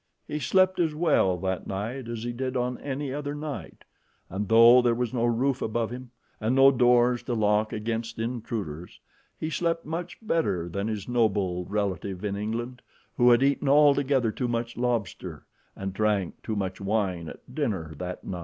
He slept as well that night as he did on any other night, and though there was no roof above him, and no doors to lock against intruders, he slept much better than his noble relative in England, who had eaten altogether too much lobster and drank too much wine at dinner that night.